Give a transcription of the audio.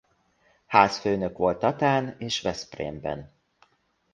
Házfőnök volt Tatán és Veszprémben.